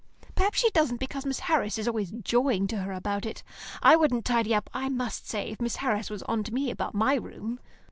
Perhaps she doesn't because Miss Harris is always jawing to her about it. I wouldn't tidy up, I must say, if Miss Harris was on to me about my room.